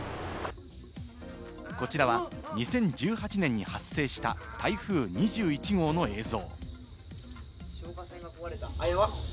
こちらは２０１８年に発生した台風２１号の映像。